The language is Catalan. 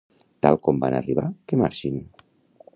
Tal com van arribar que marxin